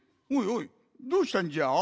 おいどうしたんじゃ？